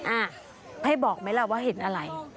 อ่ะให้บอกไหมล่ะว่าเห็นอะไร